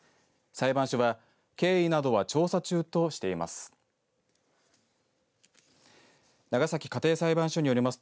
裁判所は経緯などは調査中としています。